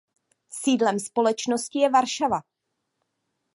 Sídlem společnosti je Varšava.